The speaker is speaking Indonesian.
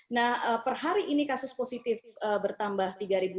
nah perhari ini kasus positif bertambah